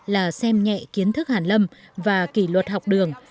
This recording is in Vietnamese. là xem nhẹ kiến thức hàn lâm và kỷ luật học đường